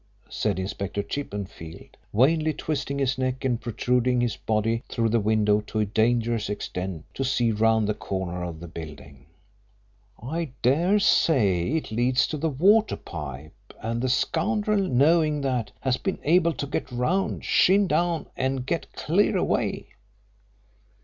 said Inspector Chippenfield, vainly twisting his neck and protruding his body through the window to a dangerous extent to see round the corner of the building. "I daresay it leads to the water pipe, and the scoundrel, knowing that, has been able to get round, shin down, and get clear away."